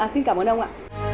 xin cảm ơn ông ạ